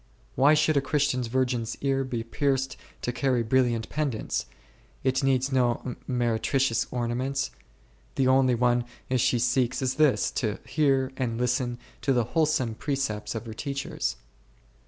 Why should a Christian virgin's ear be pierced to carry brilliant pendants ; it needs no meretricious ornaments, the only one she seeks is this, to hear and listen to the wholesome pre cepts of her teachers.